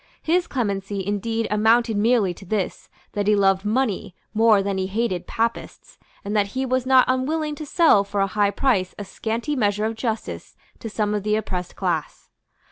His clemency indeed amounted merely to this, that he loved money more than he hated Papists, and that he was not unwilling to sell for a high price a scanty measure of justice to some of the oppressed class.